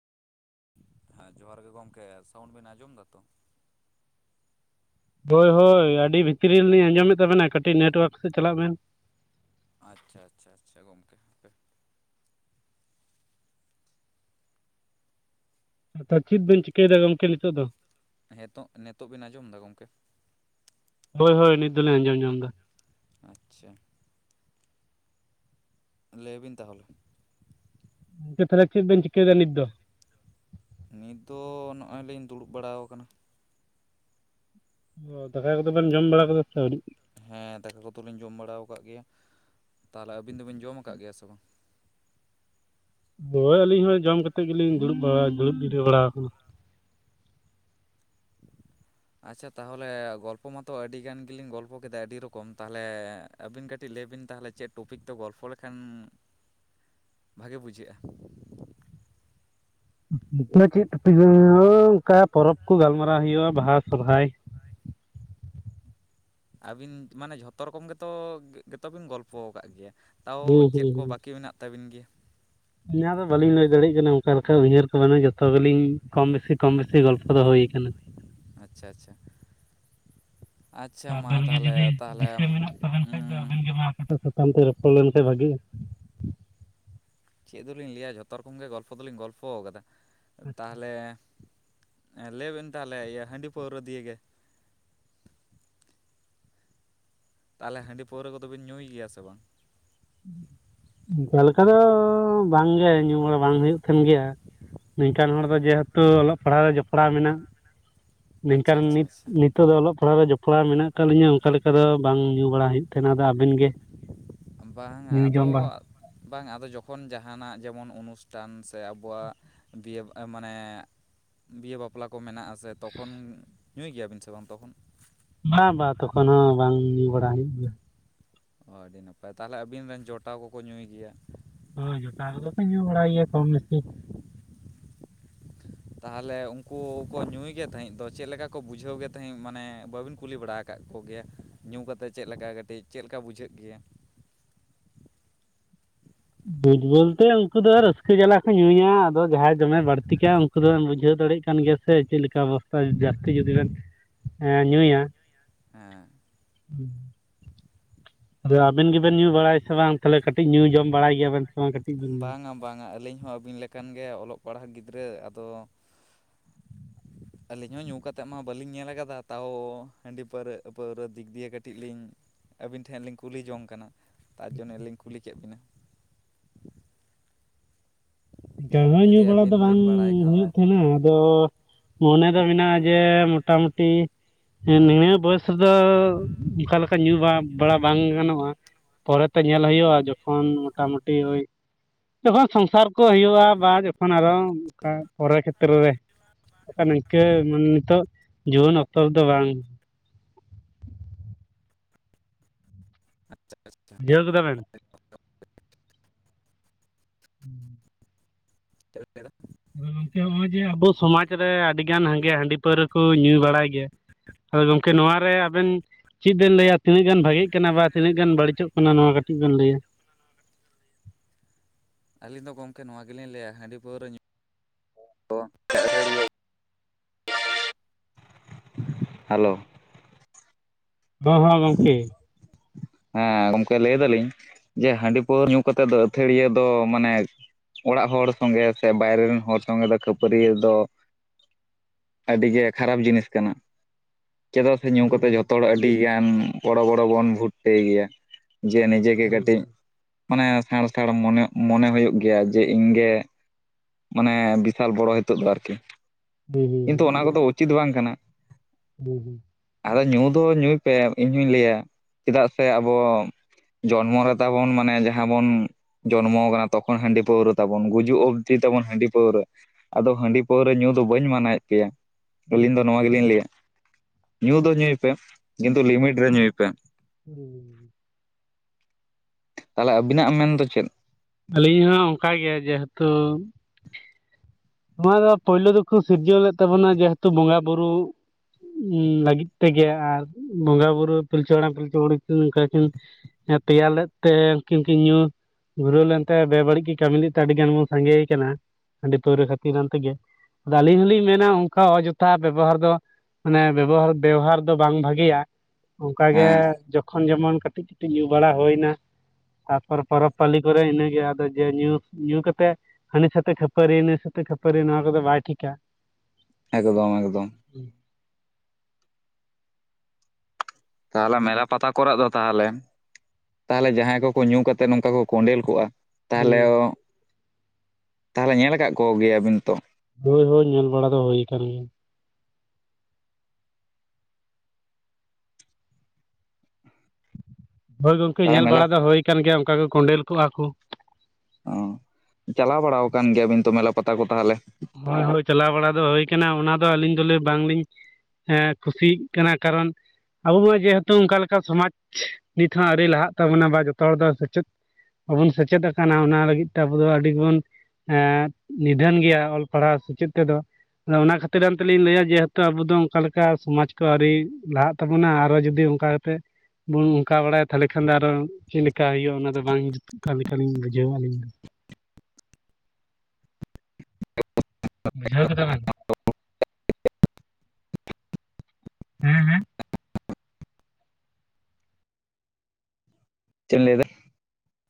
ᱦᱮᱸ ᱡᱚᱦᱟᱨ ᱜᱮ ᱜᱚᱢᱠᱮ, ᱥᱟᱣᱩᱱ ᱵᱮᱱ ᱟᱸᱡᱚᱢ ᱫᱟᱛᱚ? ᱦᱳᱭ ᱦᱳᱭ ᱟᱹᱰᱤ ᱵᱷᱤᱛᱨᱤ ᱨᱮᱞᱤᱧ ᱟᱸᱡᱚᱢᱮᱫ ᱛᱟᱵᱮᱱᱟ ᱠᱟᱹᱴᱤᱡ ᱱᱮᱴᱚᱣᱟᱨᱠ ᱥᱮᱫ ᱪᱟᱞᱟᱜ ᱵᱮᱱ ᱟᱪᱪᱷᱟ ᱟᱪᱪᱷᱟ ᱪᱷᱟ ᱜᱚᱢᱠᱮ [unintelligible] ᱪᱤᱫ ᱵᱤᱱ ᱪᱤᱠᱟᱹᱭᱮᱫᱟ ᱜᱚᱢᱠᱮ ᱱᱤᱛᱳᱜ ᱫᱚ? ᱦᱮᱸᱛᱚᱜ ᱱᱤᱛᱚᱜ ᱵᱤᱱ ᱟᱸᱡᱚᱢ ᱫᱟ ᱜᱚᱝᱠᱮ ᱦᱳᱭ ᱦᱳᱭ ᱱᱤᱛ ᱫᱚᱞᱮ ᱟᱸᱡᱚᱢ ᱧᱟᱢ ᱫᱟ᱾ ᱟᱪᱪᱷᱟ ᱞᱮᱹᱭ ᱵᱤᱱ ᱛᱟᱦᱚᱞᱮ ᱜᱚᱝᱠᱮ ᱛᱟᱦᱚᱞᱮ ᱪᱮᱫ ᱵᱤᱱ ᱪᱤᱠᱟᱹᱭ ᱫᱟ ᱱᱤᱛ ᱫᱚ? ᱱᱤᱛ ᱫᱚ ᱱᱚᱜᱼᱚᱭ ᱞᱤᱧ ᱫᱩᱲᱩᱵ ᱵᱟᱲᱟᱣ ᱠᱟᱱᱟ᱾ ᱚ ᱫᱟᱠᱟ ᱠᱚᱫᱚᱵᱮᱱ ᱡᱚᱢ ᱵᱟᱲᱟ ᱠᱮᱫᱟ ᱥᱮ ᱟᱹᱣᱨᱤ? ᱦᱮᱸ ᱫᱟᱠᱟ ᱠᱚᱫᱚ ᱞᱤᱧ ᱡᱚᱢ ᱵᱟᱲᱟ ᱟᱠᱟᱫ ᱜᱮᱭᱟ, ᱛᱟᱦᱚᱞᱮ ᱟᱹᱵᱤᱱ ᱫᱚᱵᱤᱱ ᱡᱚᱢ ᱠᱟᱜ ᱜᱮᱭᱟ ᱥᱮ ᱵᱟᱝ? ᱦᱳᱭ ᱟᱹᱞᱤᱧ ᱦᱚᱸ ᱡᱚᱢ ᱠᱟᱛᱮᱫ ᱜᱮ ᱞᱤᱧ ᱫᱩᱲᱩᱵ ᱵᱟᱲᱟ ᱫᱩᱲᱩᱵ ᱡᱤᱨᱟᱹᱵᱟᱲᱟ ᱟᱠᱟᱱᱟ᱾ ᱟᱪᱪᱷᱟ ᱛᱟᱦᱚᱞᱮ ᱜᱚᱞᱯᱚ ᱢᱟᱛᱚ ᱟᱹᱰᱤᱜᱟᱱ ᱜᱮᱞᱤᱧ ᱜᱚᱞᱯᱚ ᱠᱮᱫᱟ ᱟᱹᱰᱤ ᱨᱚᱠᱚᱢ ᱛᱟᱦᱚᱞᱮ, ᱟᱹᱵᱤᱱ ᱠᱟᱹᱴᱤᱡ ᱞᱟᱹᱭ ᱵᱤᱱ ᱛᱟᱦᱚᱞᱮ ᱪᱮᱫ ᱴᱚᱯᱤᱠ ᱛᱮ ᱜᱚᱞᱯᱷᱚ ᱞᱮᱠᱷᱟᱱ ᱵᱷᱟᱜᱮ ᱵᱩᱡᱷᱟᱹᱜ-ᱟ᱾ [unintelligible] ᱪᱮᱫ ᱴᱚᱯᱤᱠ ᱦᱳ ᱚᱱᱠᱟ ᱯᱚᱨᱚᱵᱽ ᱠᱚ ᱜᱟᱞ ᱢᱟᱨᱟᱣ ᱦᱩᱭᱩᱜᱼᱟ, ᱵᱟᱦᱟ ᱥᱚᱨᱚᱦᱟᱭ ᱟᱹᱵᱤᱱ ᱢᱟᱱᱮ ᱡᱷᱚᱛᱚ ᱨᱚᱠᱚᱢ ᱜᱮᱛᱚ ᱜᱮᱛᱚ ᱵᱤᱱ ᱜᱚᱞᱯᱚ ᱠᱟᱫ ᱜᱮᱭᱟ, ᱛᱟᱣ ᱦᱩᱸ ᱦᱩᱸ ᱪᱮᱫ ᱠᱚ ᱦᱩᱸ ᱵᱟᱹᱠᱤ ᱢᱮᱱᱟᱜ ᱛᱟᱵᱤᱱ ᱜᱮᱭᱟ? [unintelligible] ᱫᱚ ᱵᱟᱹᱞᱤᱧ ᱞᱟᱹᱭ ᱫᱟᱲᱮᱜ ᱭᱟᱜ ᱠᱟᱱᱟ ᱚᱱᱠᱟ ᱞᱮᱠᱟ ᱩᱭᱦᱟᱹᱨ ᱠᱚ ᱵᱟᱱᱩᱜ ᱡᱷᱚᱛᱚ ᱜᱮᱞᱤᱧ ᱠᱚᱢ ᱵᱮᱥᱤ ᱠᱚᱢ ᱵᱮᱥᱤ ᱜᱚᱞᱯᱚ ᱫᱚ ᱦᱩᱭ ᱠᱟᱱᱟ᱾ ᱟᱪᱪᱷᱟ ᱟᱪᱪᱷᱟ, ᱟᱪᱪᱷᱟ ᱢᱟ ᱟᱵᱮᱱ ᱜᱮ ᱡᱩᱫᱤ ᱛᱟᱦᱚᱞᱮ ᱫᱤᱥᱟᱹ ᱛᱟᱦᱚᱞᱮ ᱢᱮᱱᱟᱜ ᱛᱟᱵᱮᱱ ᱠᱷᱟᱡ ᱫᱚ ᱩᱸ, ᱟᱵᱮᱱ ᱜᱮ ᱢᱟ ᱴ [unintelligible] ᱥᱟᱛᱟᱢ ᱛᱮ ᱨᱚᱯᱚᱲ ᱞᱮᱱᱠᱟᱱ ᱵᱷᱟᱜᱮᱼᱟ? ᱪᱮᱫ ᱫᱚ ᱞᱤᱧ ᱞᱟᱹᱭᱟ ᱡᱷᱚᱛᱚ ᱨᱚᱠᱚᱢ ᱜᱮ ᱜᱚᱞ ᱯᱷᱚ ᱫᱚ ᱞᱤᱧ ᱜᱚᱞ ᱯᱷᱚ ᱠᱟᱫᱟ, ᱛᱟᱦᱞᱮ ᱞᱟᱹᱭ ᱵᱮᱱ ᱛᱟᱦᱞᱮ ᱤᱭᱟᱹ ᱦᱟᱹᱰᱤ ᱯᱟᱹᱣᱨᱟᱹ ᱫᱤᱭᱮ ᱜᱮ, ᱛᱟᱦᱞᱮ ᱦᱟᱹᱰᱤ ᱯᱟᱹᱣᱨᱟᱹ ᱠᱚ ᱫᱚ ᱵᱤᱱ ᱧᱩᱭ ᱜᱮᱭᱟ ᱥᱮ ᱵᱟᱝ? ᱚᱱᱠᱟ ᱞᱮᱠᱟ ᱫᱚ ᱵᱟᱝ ᱜᱮ ᱧᱩᱢ ᱵᱟᱲᱟ ᱵᱟᱝ ᱦᱩᱭᱩᱜ ᱠᱟᱱ ᱜᱮᱭᱟ, ᱱᱤᱝᱠᱟᱱ ᱦᱚᱲ ᱫᱚ ᱡᱮᱦᱮᱛᱩ ᱚᱞᱚᱜ ᱯᱟᱲ ᱦᱟᱣ ᱨᱮ ᱡᱚᱯ ᱲᱟᱣ ᱢᱮᱱᱟᱜ ᱟᱪᱪᱷᱟ ᱱᱤᱝᱠᱟᱱ ᱟᱪᱪᱷᱟ ᱱᱤᱛ ᱱᱤᱛ ᱟᱪᱪᱷᱟ ᱱᱤᱛᱚᱜ ᱫᱚ ᱚᱞᱚᱜ ᱯᱟᱲᱦᱟᱜ ᱨᱮ ᱡᱚᱯᱲᱟᱣ ᱢᱮᱱᱟᱜ ᱠᱟᱫ ᱞᱤᱧᱟᱹ ᱚᱱᱠᱟ ᱞᱮᱠᱟ ᱫᱚ ᱵᱟᱝ ᱧᱩ ᱵᱟᱲᱟ ᱦᱩᱭᱩᱜ ᱛᱟᱦᱮᱸᱱᱟ᱾ ᱟᱹᱵᱤᱱ ᱜᱮ? ᱵᱟᱝ-ᱟ ᱧᱩ ᱟᱫᱚ ᱡᱚᱢ ᱵᱟᱲᱟ ᱵᱟᱝ ᱟᱫᱚ ᱡᱚᱠᱷᱚᱱ ᱡᱟᱦᱟᱸᱱᱟᱜ ᱡᱮᱢᱚᱱ ᱚᱱᱩᱥᱴᱷᱟᱱ ᱥᱮ ᱟᱵᱚᱣᱟᱜ ᱵᱤ [unintelligible] ᱢᱟᱱᱮ ᱵᱤᱦᱟᱹ ᱵᱟᱯᱞᱟ ᱠᱚ ᱢᱮᱱᱟᱜᱼᱟ ᱥᱮ ᱛᱚᱠᱷᱚᱱ ᱧᱩᱭ ᱜᱮᱭᱟᱵᱤᱱ ᱥᱮ ᱵᱟᱝ ᱛᱚᱠᱷᱚᱱ? ᱵᱟᱝ ᱵᱟᱝ ᱛᱚᱠᱷᱚᱱ ᱦᱚᱸ ᱵᱟᱝ ᱧᱩᱵᱟᱲᱟ ᱦᱩᱭᱩᱜ ᱜᱮᱭᱟ᱾ ᱚ ᱟᱹᱰᱤ ᱱᱟᱯᱟᱭ ᱛᱟᱦᱚᱞᱮ ᱟᱹᱵᱤᱱ ᱨᱮᱱ ᱡᱚᱴᱟᱣ ᱠᱚᱠᱚ ᱧᱩᱭ ᱜᱮᱭᱟ᱾ ᱦᱳᱭ ᱡᱚᱴᱟᱣ ᱠᱚᱫᱚᱠᱚ ᱧᱩ ᱵᱟᱲᱟᱭ ᱜᱮᱭᱟ ᱠᱚᱢ ᱵᱮᱥᱤ ᱛᱟᱦᱚᱞᱮ ᱩᱱᱠᱩ ᱠᱚ ᱧᱩᱭ ᱜᱮ ᱛᱟᱦᱮᱸᱫ ᱫᱚ ᱪᱮᱫᱞᱠᱟ ᱠᱚ ᱵᱩᱡᱷᱟᱹᱣ ᱜᱮ ᱛᱟᱦᱮᱸᱫ ᱢᱟᱱᱮ ᱵᱟᱹᱵᱤᱱ ᱠᱩᱞᱤ ᱵᱟᱲᱟ ᱟᱠᱟᱫ ᱠᱚᱜᱮᱭᱟ ᱧᱩ ᱠᱟᱛᱮᱫ ᱪᱮᱫ ᱞᱮᱠᱟ ᱠᱟᱹᱴᱤᱡ ᱪᱮᱫ ᱞᱮᱠᱟ ᱵᱩᱡᱷᱟᱹᱜ ᱜᱮᱭᱟ ᱧᱩ ᱵᱚᱞᱛᱮ ᱩᱱᱠᱩ ᱫᱚ ᱨᱟᱹᱥᱠᱟᱹ ᱡᱟᱞᱟ ᱠᱚ ᱧᱩᱭᱟ ᱟᱫᱚ ᱡᱟᱦᱟᱸᱭ ᱫᱚᱢᱮ ᱵᱟᱹᱲᱛᱤ ᱠᱟᱭ ᱩᱱᱠᱩ ᱩᱱᱠᱩ ᱫᱚᱵᱮᱱ ᱵᱩᱡᱷᱟᱹᱣ ᱫᱟᱲᱮᱭᱟᱜ ᱠᱟᱱ ᱜᱮᱭᱟ ᱥᱮ ᱪᱮᱫ ᱞᱮᱠᱟ ᱚᱵᱚᱥᱛᱟ ᱡᱟᱹᱥᱛᱤ ᱡᱩᱫᱤ ᱵᱮᱱ ᱧᱩᱭᱟ ᱦᱮᱸ ᱦᱩᱸ ᱟᱫᱚ ᱟᱵᱮᱱ ᱜᱮᱵᱮᱱ ᱧᱩ ᱵᱟᱲᱟᱭᱟ ᱥᱮ ᱵᱟᱝ ᱛᱟᱦᱚᱞᱮ ᱠᱟᱹᱴᱤᱡ ᱧᱩ ᱡᱚᱢ ᱵᱟᱲᱟᱭ ᱜᱮᱭᱟᱵᱮᱱ ᱥᱮ ᱵᱟᱝ ᱠᱟᱹᱴᱤᱡ ᱵᱮᱱ ᱞᱟᱹᱭᱟ? ᱵᱟᱝᱟ ᱵᱟᱝᱟ ᱟᱹᱞᱤᱧ ᱦᱚᱸ ᱟᱹᱵᱤᱱ ᱞᱮᱠᱟᱱ ᱜᱮ ᱚᱞᱚᱜ ᱯᱟᱲᱦᱟᱜ ᱜᱤᱫᱽᱨᱟᱹ ᱟᱫᱚ ᱟᱹᱞᱤᱧ ᱦᱚᱸ ᱧᱩ ᱠᱟᱛᱮᱫ ᱢᱟ ᱵᱟᱹᱞᱤᱧ ᱧᱮᱞ ᱠᱟᱫᱟ ᱛᱟᱣ ᱦᱟᱺᱰᱤ ᱯᱟᱹᱣᱨᱟᱹ ᱯᱟᱹᱣᱨᱟᱹ ᱫᱤᱠ ᱫᱤᱭᱮ ᱠᱟᱹᱴᱤᱡ ᱞᱤᱧ ᱟᱹᱵᱤᱱ ᱴᱷᱮᱱ ᱞᱤᱧ ᱠᱩᱞᱤ ᱡᱚᱝ ᱠᱟᱱᱟ ᱛᱟᱨ ᱡᱚᱱᱱᱚ ᱞᱤᱧ ᱠᱩᱞᱤ ᱠᱮᱫ ᱵᱤᱱᱟ ᱮᱱᱛᱮ ᱨᱮᱦᱚ ᱧᱩ ᱡᱩᱫᱤ ᱵᱟᱲᱟ ᱫᱚ ᱟᱹᱵᱤᱱ ᱵᱟᱝ ᱵᱤᱱ ᱵᱟᱲᱟᱭ ᱠᱷᱟᱱ ᱦᱩᱭᱩᱜ ᱫᱚ ᱛᱟᱦᱮᱸᱱᱟ ᱟᱫᱚ ᱢᱚᱱᱮ ᱫᱚ ᱢᱮᱱᱟᱜᱼᱟ ᱡᱮ ᱢᱚᱴᱟᱢᱩᱴᱤ ᱦᱮᱸ ᱱᱤᱱᱟᱹᱜ ᱵᱚᱭᱮᱥ ᱨᱮᱫᱚ ᱚᱠᱟ ᱞᱮᱠᱟ ᱧᱩ ᱵᱟ ᱵᱟᱲᱟ ᱵᱟᱝ ᱜᱟᱱᱚᱜᱼᱟ ᱯᱚᱨᱮᱛᱮ ᱧᱮᱞ ᱦᱩᱭᱩᱜᱼᱟ ᱡᱚᱠᱷᱚᱱ ᱢᱚᱴᱟᱢᱩᱴᱤ ᱳᱭ ᱡᱚᱠᱷᱚᱱ ᱥᱚᱝᱥᱟᱨ ᱠᱚ ᱦᱩᱭᱩᱜᱼᱟ ᱵᱟ ᱡᱚᱠᱷᱚᱱ ᱟᱨᱚ ᱚᱱᱠᱟ ᱯᱚᱨᱮᱨ ᱠᱷᱮᱛᱨᱚ ᱨᱮ ᱵᱟᱠᱷᱟᱱ ᱱᱤᱝᱠᱟᱹ ᱢᱟᱱᱮ ᱱᱤᱛᱚᱜ ᱡᱩᱣᱟᱹᱱ ᱚᱠᱛᱚ ᱨᱮᱫᱚ ᱵᱟᱝ ᱟᱪᱪᱷᱟ ᱟᱪᱪᱷᱟ ᱡᱷᱟᱹᱣ ᱠᱮᱫᱟ ᱵᱮᱱ [inaudible] [inaudible] [unintelligible] ᱜᱚᱢᱠᱮ ᱦᱚᱸᱜᱼᱚᱭ ᱡᱮ ᱟᱵᱚ ᱥᱚᱢᱟᱡᱽ ᱨᱮ ᱟᱹᱰᱤᱜᱟᱱ ᱦᱟᱸᱜᱮ ᱦᱟᱺᱰᱤ ᱯᱟᱹᱣᱨᱟᱹ ᱠᱚ ᱧᱩ ᱵᱟᱲᱟᱭ ᱜᱮᱭᱟ ᱟᱫᱚ ᱜᱚᱢᱠᱮ ᱱᱚᱣᱟᱨᱮ ᱟᱵᱤᱱ ᱪᱮᱫ ᱵᱮᱱ ᱞᱟᱹᱭᱟ ᱛᱤᱱᱟᱹᱜ ᱜᱟᱱ ᱵᱷᱟᱜᱮᱜ ᱠᱟᱱᱟ ᱵᱟ ᱛᱤᱱᱟᱹᱜ ᱜᱟᱱ ᱵᱟᱹᱲᱤᱡᱚᱜ ᱠᱟᱱᱟ ᱱᱚᱣᱟ ᱠᱟᱹᱴᱤᱡ ᱵᱤᱱ ᱞᱟᱹᱭᱟ ᱟᱹᱞᱤᱧ ᱫᱚ ᱜᱚᱢᱠᱮ ᱱᱚᱣᱟ ᱜᱮᱞᱤᱧ ᱞᱟᱹᱭᱟ ᱦᱟᱺᱰᱤ ᱯᱟᱹᱣᱨᱟᱹ ᱧᱩ [unintelligible] ᱛᱚ ᱦᱮᱞᱳ ᱦᱚᱸᱦᱚᱸ ᱜᱚᱢᱠᱮ ᱦᱮᱸ ᱜᱚᱢᱠᱮ ᱞᱟᱹᱭ ᱫᱟᱞᱤᱧ ᱡᱮ ᱦᱟᱺᱰᱤ ᱯᱟᱹᱣᱨᱟᱹ ᱧᱩ ᱠᱟᱛᱮᱜ ᱫᱚ ᱟᱹᱛᱷᱟᱹᱲᱤᱭᱟᱹ ᱫᱚ ᱢᱟᱱᱮ ᱚᱲᱟᱜ ᱦᱚᱲ ᱥᱚᱸᱜᱮ ᱥᱮ ᱵᱟᱭᱨᱮ ᱨᱮᱱ ᱦᱚᱲ ᱥᱚᱸᱜᱮ ᱫᱚ ᱠᱷᱟᱹᱯᱟᱹᱨᱤ ᱫᱚ ᱟᱹᱰᱤ ᱜᱮ ᱠᱷᱟᱨᱟᱯ ᱡᱤᱱᱤᱥ ᱠᱟᱱᱟ ᱪᱮᱫᱟᱜ ᱥᱮ ᱧᱩ ᱠᱟᱛᱮᱫ ᱡᱷᱚᱛᱚ ᱦᱚᱲ ᱟᱹᱰᱤᱜᱟᱱ ᱵᱚᱲᱚ ᱵᱚᱲᱚ ᱵᱚᱱ ᱵᱷᱩᱴᱴᱟᱹ ᱜᱮᱭᱟ ᱡᱮ ᱱᱤᱡᱮ ᱜᱮ ᱠᱟᱹᱴᱤᱡ ᱢᱟᱱᱮ ᱥᱟᱸᱬ ᱥᱟᱸᱬ ᱢᱚᱱᱮ ᱦᱩᱭᱩᱜ ᱜᱮᱭᱟ ᱡᱮ ᱤᱧ ᱜᱮ ᱢᱟᱱᱮ ᱵᱤᱥᱟᱞ ᱵᱚᱲᱚ ᱦᱤᱛᱚᱜ ᱫᱚ ᱟᱨᱠᱤ ᱠᱤᱱᱛᱩ ᱚᱱᱟ ᱠᱚᱫᱚ ᱩᱪᱤᱛ ᱵᱟᱝ ᱠᱟᱱᱟ ᱦᱩᱸ ᱦᱩᱸ ᱟᱫᱚ ᱧᱩ ᱫᱚ ᱧᱩᱭ ᱯᱮ ᱤᱧᱦᱩᱧ ᱞᱟᱹᱭᱟ ᱪᱮᱫᱟᱜ ᱥᱮ ᱟᱵᱚ ᱡᱚᱱᱢᱚ ᱨᱮ ᱛᱟᱵᱚᱱ ᱢᱟᱱᱮ ᱡᱟᱦᱟᱸ ᱵᱚᱱ ᱡᱚᱱᱢᱚ ᱠᱟᱱᱟ ᱛᱚᱠᱷᱚᱱ ᱦᱟᱺᱰᱤ ᱯᱟᱹᱣᱨᱟᱹ ᱛᱟᱵᱚᱱ ᱜᱩᱡᱩᱜ ᱚᱵᱫᱤ ᱛᱟᱵᱚᱱ ᱦᱟᱺᱰᱤ ᱯᱟᱹᱣᱨᱟᱹ ᱟᱫᱚ ᱦᱟᱺᱰᱤ ᱯᱟᱹᱣᱨᱟᱹ ᱧᱩ ᱫᱚ ᱵᱟᱹᱧ ᱢᱟᱱᱟᱭᱮᱫ ᱯᱮᱭᱟ ᱟᱹᱞᱤᱧ ᱫᱚ ᱱᱚᱣᱟ ᱜᱮᱞᱤᱧ ᱞᱟᱹᱭᱟ ᱧᱩ ᱫᱚ ᱧᱩᱭ ᱯᱮ ᱠᱤᱱᱛᱩ ᱞᱤᱢᱤᱴ ᱨᱮ ᱧᱩᱭ ᱯᱮ ᱦᱩᱸ ᱦᱩᱸ ᱛᱟᱦᱚᱞᱮ ᱟᱵᱤᱱᱟᱜ ᱢᱮᱱᱫᱚ ᱪᱮᱫ ᱟᱹᱞᱤᱧ ᱦᱚᱸ ᱚᱱᱠᱟ ᱜᱮ ᱡᱮᱦᱛᱩ ᱱᱚᱣᱟ ᱫᱚ ᱯᱳᱭᱞᱳ ᱫᱚᱠᱚ ᱥᱤᱨᱡᱟᱹᱣ ᱞᱮᱫ ᱛᱟᱵᱚᱱᱟ ᱡᱮᱦᱮᱛᱩ ᱵᱚᱸᱜᱟ ᱵᱩᱨᱩ ᱞᱟᱹᱜᱤᱫ ᱛᱮᱜᱮ ᱟᱨ ᱵᱚᱸᱜᱟ ᱵᱩᱨᱩ ᱯᱤᱞᱪᱩ ᱦᱟᱲᱟᱢ ᱯᱤᱞᱪᱩ ᱵᱩᱲᱦᱤ ᱠᱤᱱ ᱚᱝᱠᱟᱠᱤᱱ ᱦᱮᱸ ᱛᱮᱭᱟᱨ ᱞᱮᱫ ᱛᱮ ᱩᱱᱠᱤᱱ ᱠᱤᱱ ᱧᱩ ᱜᱷᱩᱨᱟᱹᱣ ᱞᱮᱱᱛᱮ ᱵᱮᱵᱟᱹᱲᱤᱡ ᱠᱤᱱ ᱠᱟᱹᱢᱤ ᱞᱮᱫ ᱛᱮ ᱟᱹᱰᱤ ᱜᱟᱱ ᱵᱚᱱ ᱥᱟᱸᱜᱮ ᱠᱟᱱᱟ ᱦᱟᱺᱰᱤ ᱯᱟᱹᱣᱨᱟᱹ ᱠᱷᱟᱹᱛᱤᱨᱟᱱ ᱛᱮᱜᱮ ᱟᱫᱚ ᱟᱹᱞᱤᱧ ᱦᱚᱸᱞᱤᱧ ᱢᱮᱱᱟ ᱚᱱᱠᱟ ᱚᱡᱚᱛᱷᱟ ᱵᱮᱵᱚᱦᱟᱨ ᱫᱚ ᱢᱟᱱᱮ ᱵᱮᱵᱚᱦᱟᱨ ᱵᱮᱣᱦᱟᱨ ᱫᱚ ᱵᱟᱝ ᱵᱷᱟᱹᱜᱤᱭᱟ ᱚᱱᱠᱟᱜᱮ ᱦᱮᱸ ᱡᱚᱠᱷᱚᱱ ᱡᱮᱢᱚᱱ ᱠᱟᱹᱴᱤᱡ ᱠᱟᱹᱴᱤᱡ ᱧᱩ ᱵᱟᱲᱟ ᱦᱩᱭᱱᱟ ᱛᱟᱯᱚᱨ ᱯᱚᱨᱚᱵᱽ ᱯᱟᱹᱞᱤ ᱠᱚᱨᱮ ᱤᱱᱟᱹᱜᱮ ᱡᱮ ᱧᱩ ᱧᱩ ᱠᱟᱛᱮᱜ ᱦᱟᱱᱤ ᱥᱟᱛᱮ ᱠᱷᱟᱹᱯᱟᱹᱨᱤ ᱱᱩᱭ ᱥᱟᱛᱮ ᱠᱷᱟᱹᱯᱟᱹᱨᱤ ᱱᱚᱣᱟ ᱠᱚᱫᱚ ᱵᱟᱭ ᱴᱷᱤᱠᱟ ᱮᱠᱫᱚᱢ ᱮᱠᱫᱚᱢ ᱛᱟᱦᱚᱞᱮ ᱢᱮᱞᱟ ᱯᱟᱛᱟ ᱠᱚᱨᱮ ᱫᱚ ᱛᱟᱦᱚᱞᱮ ᱛᱟᱦᱚᱞᱮ ᱡᱟᱦᱟᱸᱭ ᱠᱚᱠᱚ ᱧᱩ ᱠᱟᱛᱮ ᱱᱚᱝᱠᱟ ᱠᱚ ᱠᱚᱸᱰᱮᱞ ᱠᱚᱜᱼᱟ ᱛᱟᱦᱚᱞᱮ ᱦᱩᱸ ᱛᱟᱦᱚᱞᱮ ᱧᱮᱞ ᱟᱠᱟᱫ ᱠᱚᱜᱮᱭᱟᱵᱤᱱ ᱛᱚ ᱦᱳᱭ ᱦᱳᱭ ᱧᱮᱞ ᱵᱟᱲᱟ ᱫᱚ ᱦᱩᱭ ᱟᱠᱟᱱ ᱜᱮᱭᱟ ᱦᱳᱭ ᱜᱚᱢᱠᱮ ᱛᱟᱦᱚᱞᱮ ᱧᱮᱞ ᱢᱮᱞᱟ ᱵᱟᱲᱟ ᱫᱚ ᱦᱩᱭ ᱟᱠᱟᱱ ᱜᱮᱭᱟ ᱚᱱᱠᱟ ᱠᱚ ᱠᱚᱸᱰᱮᱞ ᱠᱚᱜᱼᱟ ᱠᱚ ᱚ ᱪᱟᱞᱟᱣ ᱵᱟᱲᱟ ᱟᱠᱟᱱ ᱜᱮᱭᱟᱵᱤᱱ ᱛᱚ ᱢᱮᱞᱟ ᱯᱟᱛᱟ ᱠᱚ ᱛᱟᱦᱚᱞᱮ ᱦᱳᱭ ᱦᱳᱭ ᱪᱟᱞᱟᱣ ᱵᱟᱲᱟ ᱫᱚ ᱦᱩᱭ ᱠᱟᱱᱟ ᱚᱱᱟ ᱫᱚ ᱟᱹᱞᱤᱧ ᱫᱚᱞᱮ ᱵᱟᱝᱞᱤᱧ ᱠᱩᱥᱤᱜ ᱠᱟᱱᱟ ᱠᱟᱨᱚᱱ ᱟᱵᱚ ᱢᱟ ᱡᱮᱦᱮᱛᱩ ᱚᱱᱠᱟ ᱞᱮᱠᱟ ᱥᱚᱢᱟᱡᱽ ᱱᱤᱛ ᱦᱚᱸ ᱟᱹᱨᱤ ᱞᱟᱦᱟᱜ ᱛᱟᱵᱚᱱᱟ ᱵᱟ ᱡᱚᱛᱚ ᱦᱚᱲ ᱫᱚ ᱥᱮᱪᱮᱫ ᱵᱟᱵᱚᱱ ᱥᱮᱪᱮᱫ ᱟᱠᱟᱱᱟ ᱚᱱᱟ ᱞᱟᱹᱜᱤᱫ ᱛᱮ ᱟᱵᱚ ᱫᱚ ᱟᱹᱰᱤᱵᱚᱱ ᱱᱤᱫᱷᱟᱹᱱ ᱜᱮᱭᱟ ᱚᱞ ᱯᱟᱲᱦᱟᱣ ᱥᱮᱪᱮᱫ ᱛᱮ ᱫᱚ ᱟᱫᱚ ᱚᱱᱟ ᱠᱷᱟᱹᱛᱤᱨ ᱟᱛᱮᱞᱤᱧ ᱞᱟᱹᱭᱟ ᱡᱮᱦᱮᱛᱩ ᱟᱵᱚ ᱫᱚ ᱚᱱᱠᱟ ᱞᱮᱠᱟ ᱥᱚᱢᱟᱡᱽ ᱟᱹᱣᱨᱤ ᱞᱟᱜ ᱛᱟᱵᱚᱱᱟ ᱟᱨᱚ ᱡᱩᱫᱤ ᱚᱱᱠᱟ ᱠᱟᱛᱮ ᱵᱚᱱ ᱚᱱᱠᱟ ᱵᱟᱲᱟᱭᱟ ᱛᱟᱦᱚᱞᱮ ᱠᱷᱟᱱ ᱫᱚ ᱟᱨᱚ ᱪᱮᱫ ᱞᱮᱠᱟ ᱦᱩᱭᱩᱜᱼᱟ ᱚᱱᱟᱫᱚ ᱵᱟᱝ ᱡᱩᱛᱩᱜ ᱠᱟᱱ ᱞᱮᱠᱟᱞᱤᱧ ᱵᱩᱡᱷᱟᱹᱣᱮᱜ-ᱟ ᱟᱹᱞᱤᱧ ᱫᱚ ᱵᱩᱡᱷᱟᱹᱣ ᱠᱮᱫᱼᱟ ᱵᱮᱱ᱾ ᱦᱮᱸ ᱦᱮᱸ ᱪᱮᱫ ᱞᱟᱭ ᱮᱫᱟ